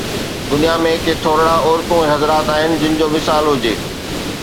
دنيا ۾ ڪي ٿورڙا عورتون ۽ حضرات آهن جن جو مثال هجي.